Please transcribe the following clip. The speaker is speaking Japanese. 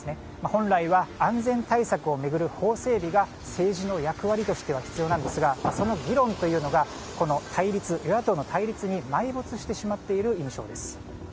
本来は安全対策を巡る法整備が政治の役割としては必要なんですがその議論というのがこの与野党の対立に埋没している印象です。